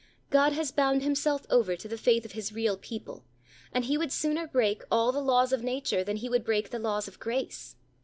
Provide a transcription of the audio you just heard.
God has bound Himself over to the faith of His real people, and He would sooner break all the laws of nature, than He would break the laws of grace.